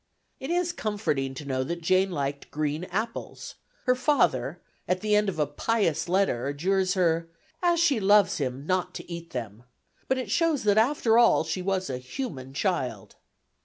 It is comforting to know that Jane liked green apples; her father, at the end of a pious letter adjures her "as she loves him not to eat them," but it shows that after all she was a human child.